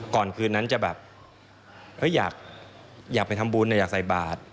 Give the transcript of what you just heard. ก่อนคืนนั้นจะแบบอยากไปทำบุญอยากใส่บาท